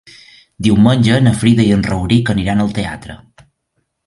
Diumenge na Frida i en Rauric aniran al teatre.